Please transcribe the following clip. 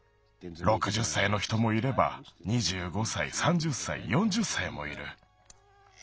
６０歳の人もいれば２５歳３０歳４０歳もいる。